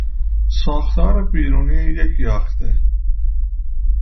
ساختار بیرونی یک یاخته